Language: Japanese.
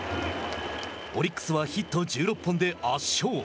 オリックスはヒット１６本で圧勝。